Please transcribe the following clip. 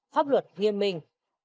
pháp luật nghiêm minh